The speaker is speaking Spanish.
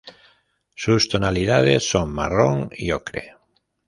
Sus tonalidades son marrón y ocre.